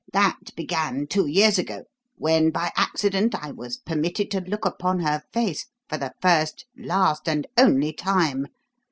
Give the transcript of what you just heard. That began two years ago, when, by accident, I was permitted to look upon her face for the first, last, and only time.